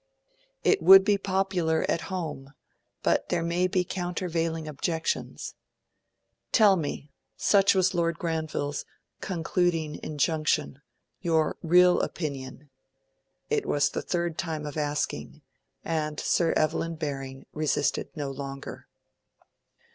It would be popular at home, but there may be countervailing objections. Tell me,' such was Lord Granville's concluding injunction, 'your real opinion.' It was the third time of asking, and Sir Evelyn Baring resisted no longer.